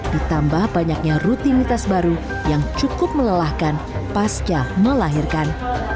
ditambah banyaknya rutinitas baru yang cukup melelahkan pasca melahirkan